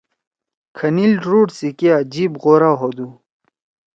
کھنِل روڈ سی کیا جیِپ غورا ہودُو۔